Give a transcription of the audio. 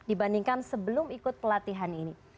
dibandingkan sebelum ikut pelatihan ini